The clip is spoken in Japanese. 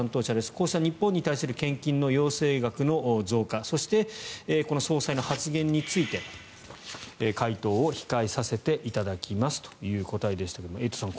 こうした日本に対する献金の要請額の増加そして、総裁の発言について回答を控えさせていただきますという答えですがエイトさん